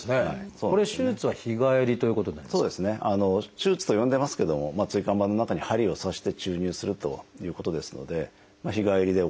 手術と呼んでますけども椎間板の中に針を刺して注入するということですので日帰りで行うのが一般的ですね。